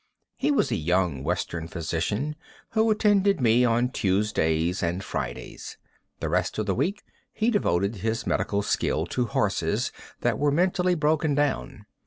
He was a young western physician, who attended me on Tuesdays and Fridays. The rest of the week he devoted his medical skill to horses that were mentally broken down.